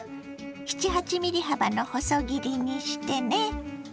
７８ｍｍ幅の細切りにしてね。